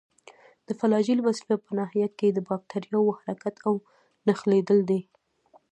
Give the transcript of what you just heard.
د فلاجیل وظیفه په ناحیه کې د باکتریاوو حرکت او نښلیدل دي.